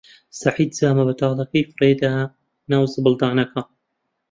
سەعید جامە بەتاڵەکەی فڕێ دا ناو زبڵدانەکە.